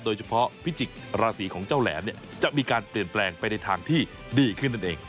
พิจิกษ์ราศีของเจ้าแหลมจะมีการเปลี่ยนแปลงไปในทางที่ดีขึ้นนั่นเอง